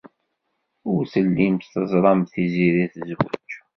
Ur tellimt teẓramt Tiziri tezwej.